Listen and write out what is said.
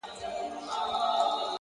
صبر د وخت له فشار سره ملګری دی!